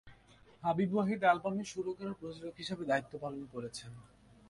হাবিব ওয়াহিদ অ্যালবামে সুরকার ও প্রযোজক হিসাবে দায়িত্ব পালন করেছেন।